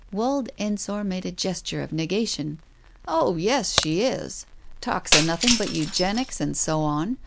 Wald Ensor made a gesture of negation. "Oh, yes, she is. Talks of nothing but Eugenics and so on.